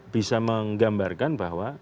bisa menggambarkan bahwa